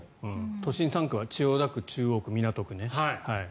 都心３区は千代田区、中央区、港区ね。